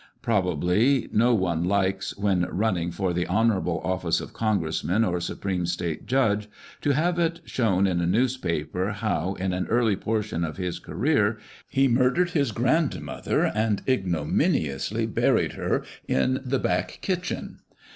Probably, no one likes, when "running" for the honourable office of congressman or supreme state judge, to have it shown in a newspaper how, in an early portion of his career, he mur dered his grandmother, and ignominiously buried her in the back kitchen.